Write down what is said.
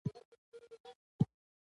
سوله د زړونو یووالی ته وده ورکوي.